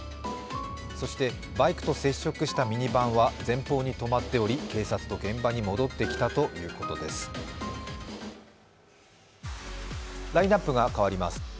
そして、バイクと接触したミニバンは前方に止まっており、警察と現場に戻ってきたということです。